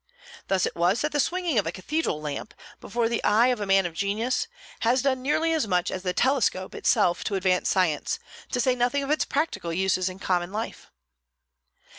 Thus it was that the swinging of a cathedral lamp, before the eye of a man of genius, has done nearly as much as the telescope itself to advance science, to say nothing of its practical uses in common life.